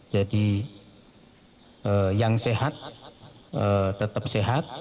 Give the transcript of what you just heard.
jadi yang sehat tetap sehat